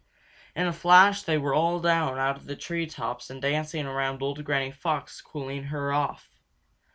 In a flash they were all down out of the treetops and dancing around old Granny Fox, cooling her off.